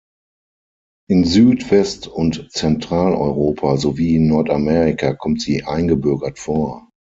In Süd-, West- und Zentral-Europa sowie in Nordamerika kommt sie eingebürgert vor.